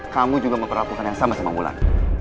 kamu juga memperlakukan yang sama sama mulan